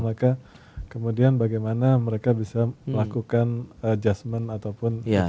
maka kemudian bagaimana mereka bisa melakukan adjustment ataupun lakukan apa saja